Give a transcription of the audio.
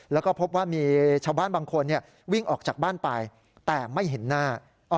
แล้วก็พบว่ามีชาวบ้านบางคนวิ่งออกจากบ้านไปแต่ไม่เห็นหน้า